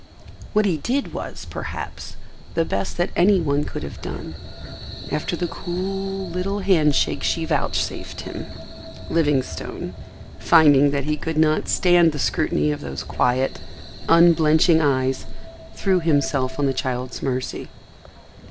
What he did was, perhaps, the best that any one could have done. After the cool, little handshake she vouchsafed him, Livingstone, finding that he could not stand the scrutiny of those quiet, unblenching eyes, threw himself on the child's mercy.